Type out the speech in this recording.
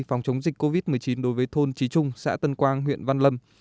phòng chống dịch covid một mươi chín đối với thôn trí trung xã tân quang huyện văn lâm